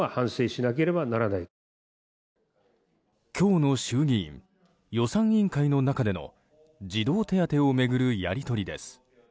今日の衆議院予算委員会の中での児童手当を巡るやり取りです。